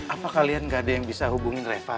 apa kalian gak ada yang bisa hubungin reva